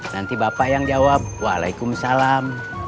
nanti bapak yang jawab waalaikumsalam